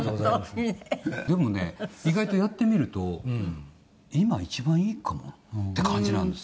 谷村：でもね意外とやってみると今一番いいかもって感じなんですよ。